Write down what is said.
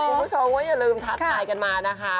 คุณผู้ชมว่าอย่าลืมทักทายกันมานะคะ